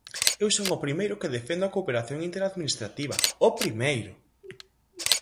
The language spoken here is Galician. Eu son o primeiro que defendo a cooperación interadministrativa, o primeiro.